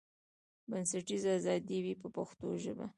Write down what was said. بنسټیزه ازادي وي په پښتو ژبه.